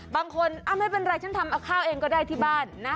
ไม่เป็นไรฉันทำเอาข้าวเองก็ได้ที่บ้านนะ